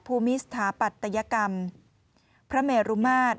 ภูมิสถาปัตยกรรมพระเมรุมาตร